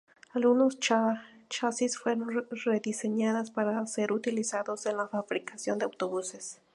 Algunos chasis fueron rediseñados para ser utilizados en la fabricación de autobuses.